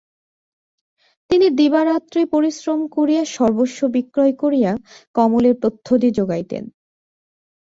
তিনি দিবারাত্রি পরিশ্রম করিয়া সর্বস্ব বিক্রয় করিয়া কমলের পথ্যাদি যোগাইতেন।